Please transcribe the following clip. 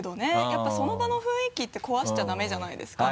やっぱその場の雰囲気って壊しちゃダメじゃないですか。